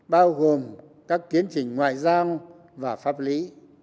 bao gồm các kiến trình ngoại giao và pháp lý